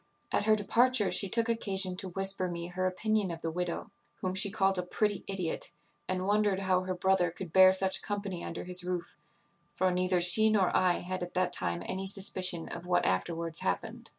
At her departure she took occasion to whisper me her opinion of the widow, whom she called a pretty idiot, and wondered how her brother could bear such company under his roof; for neither she nor I had at that time any suspicion of what afterwards happened.